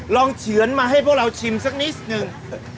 เฉือนมาให้พวกเราชิมสักนิดหนึ่ง